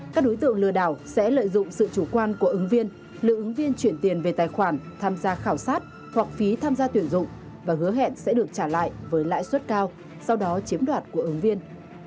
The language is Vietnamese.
các đối tượng lừa đảo sẽ lợi dụng sự chủ quan của ứng viên lượng ứng viên chuyển tiền về tài khoản tham gia khảo sát hoặc phí tham gia tuyển dụng và hứa hẹn sẽ được trả lại với lãi suất cao sau đó chiếm đoạt của ứng viên